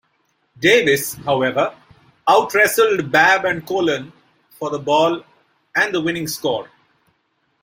Davis, however, out-wrestled Babb and Kolen for the ball and the winning score.